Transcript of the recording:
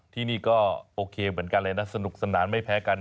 ที่นี่ก็โอเคเหมือนกันเลยนะสนุกสนานไม่แพ้กัน